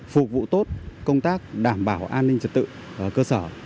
phục vụ tốt công tác đảm bảo an ninh trật tự ở cơ sở